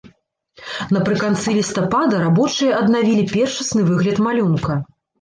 Напрыканцы лістапада рабочыя аднавілі першасны выгляд малюнка.